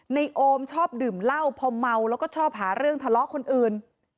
โอมชอบดื่มเหล้าพอเมาแล้วก็ชอบหาเรื่องทะเลาะคนอื่น